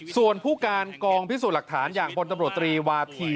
ส่วนผู้การกองพิสูจน์หลักฐานอย่างพลตำรวจตรีวาธี